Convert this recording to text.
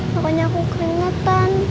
pokoknya aku keringetan